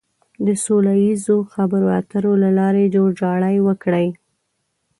د سوله ييزو خبرو اترو له لارې جوړجاړی وکړي.